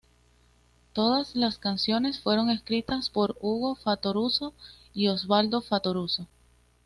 Todas las canciones fueron escritas por Hugo Fattoruso y Osvaldo Fattoruso.